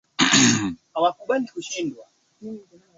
Ni sentensi ambayo inaashiria amrisho au ukali.